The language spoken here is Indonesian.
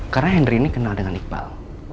karena henry ini kenal dengan iqbal